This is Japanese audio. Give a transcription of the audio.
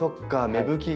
芽吹きが。